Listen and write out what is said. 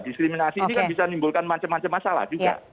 diskriminasi ini kan bisa menimbulkan macam macam masalah juga